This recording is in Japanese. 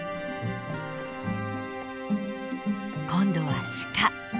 今度は鹿。